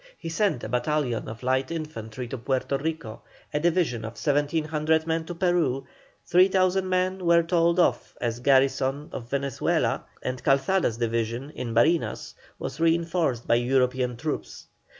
He sent a battalion of light infantry to Puerto Rico, a division of 1,700 men to Peru, 3,000 men were told off as the garrison of Venezuela, and Calzada's division, in Barinas, was reinforced by European troops.